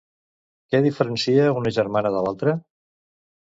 Què diferencia una germana de l'altre?